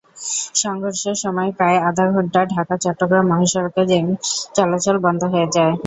সংঘর্ষের সময় প্রায় আধা ঘণ্টা ঢাকা-চট্টগ্রাম মহাসড়কে যান চলাচল বন্ধ হয়ে যায়।